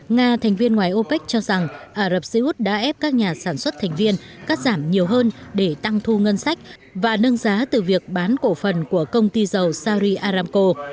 nga thành viên ngoài opec cho rằng ả rập xê út đã ép các nhà sản xuất thành viên cắt giảm nhiều hơn để tăng thu ngân sách và nâng giá từ việc bán cổ phần của công ty dầu sari aramco